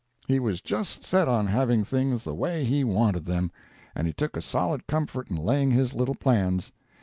He was just set on having things the way he wanted them, and he took a solid comfort in laying his little plans.